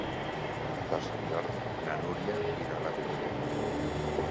Per Sant Jordi na Núria irà a la biblioteca.